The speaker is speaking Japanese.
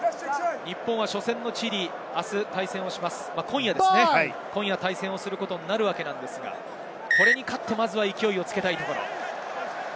日本は初戦のチリと、今夜対戦することになるわけですが、これに勝ってまずは勢いをつけたいところ。